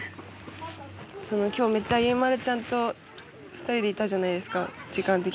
その今日めっちゃゆいまるちゃんと２人でいたじゃないですか時間的に。